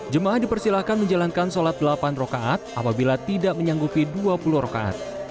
jemaah dipersilahkan menjalankan sholat delapan rokaat apabila tidak menyanggupi dua puluh rokaat